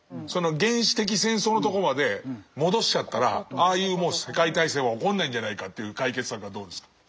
その原始的戦争のとこまで戻しちゃったらああいう世界大戦は起こんないんじゃないかという解決策はどうですか？